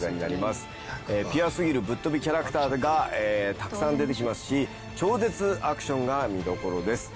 ピュアすぎるぶっ飛びキャラクターがたくさん出てきますし超絶アクションが見どころです。